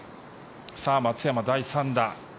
松山、第３打。